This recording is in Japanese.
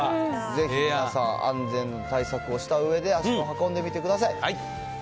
ぜひ皆さん、安全対策をしたうえで、足を運んでみてください。